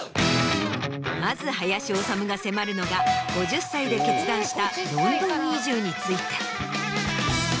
まず林修が迫るのが５０歳で決断したロンドン移住について。